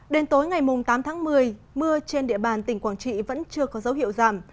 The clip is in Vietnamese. đến tối ngày tám tháng một mươi mưa trên địa bàn tỉnh quảng trị vẫn chưa có dấu hiệu giảm